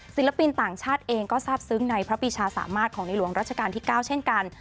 ศิลปินต่างชาติเองก็ทราบซึ้งในพระปีชาสามารถของในหลวงรัชกาลที่๙เช่นกัน